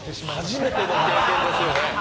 初めての経験ですよね